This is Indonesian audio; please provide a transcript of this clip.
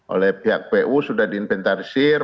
oleh pihak pu sudah diinventarisir